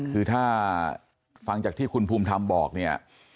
คือถ้าฟังจากที่คุณภูมิธรรมบอกเนี่ย